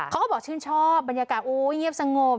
เขาก็บอกชื่นชอบบรรยากาศโอ๊ยเงียบสงบ